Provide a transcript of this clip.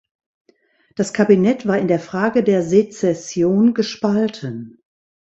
Das Kabinett war in der Frage der Sezession gespalten.